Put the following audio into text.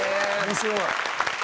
面白い！